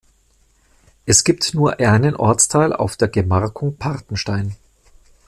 Es gibt nur einen Ortsteil auf der Gemarkung Partenstein.